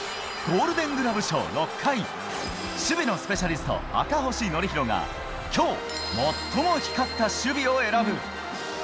ゴールデングラブ賞６回、守備のスペシャリスト、赤星憲広が、きょう、最も光った守備を選ぶ。